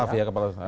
staff ya kepala